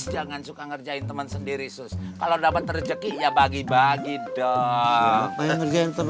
jangan suka ngerjain teman sendiri sus kalau dapat rezeki ya bagi bagi dong